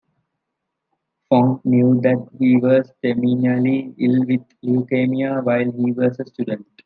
Phong knew that he was terminally ill with leukemia while he was a student.